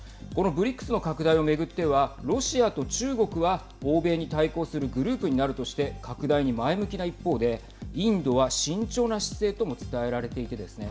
このＢＲＩＣＳの拡大を巡ってはロシアと中国は欧米に対抗するグループになるとして拡大に前向きな一方でインドは慎重な姿勢とも伝えられていてですね